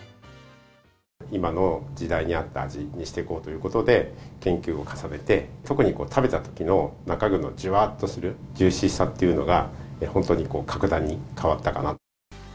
今の時代に合った味にしていこうということで、研究を重ねて、特に食べたときの、中身のじゅわっとするジューシーさっていうのが、本当に格段に変わったかな。